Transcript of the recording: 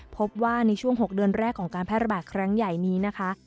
พบว่าในช่วง๖เดือนแรกของการแพร่ระบาดครั้งใหญ่นี้นะคะ